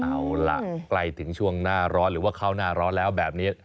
เอาล่ะใกล้ถึงช่วงหน้าร้อนหรือว่าเข้าหน้าร้อนแล้วแบบนี้